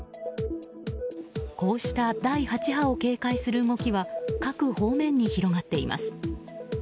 こうした第８波を警戒する動きは各方面に広がっています。